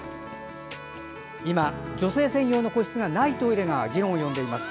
今、女性専用の個室がないトイレが議論を呼んでいます。